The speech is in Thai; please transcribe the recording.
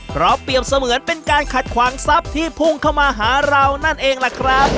เพราะเปรียบเสมือนเป็นการขัดขวางทรัพย์ที่พุ่งเข้ามาหาเรานั่นเองล่ะครับ